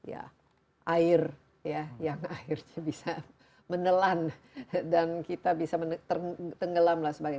dengan air air yang terdampak dengan air air yang air bisa menelan dan kita bisa menenggelamlah sebagai